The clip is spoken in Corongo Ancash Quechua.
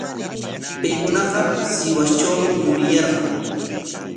Paykunaqa Sihuastrawmi yuriyarqan.